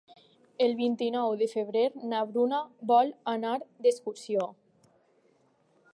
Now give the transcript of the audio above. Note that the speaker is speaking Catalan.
El vint-i-nou de febrer na Bruna vol anar d'excursió.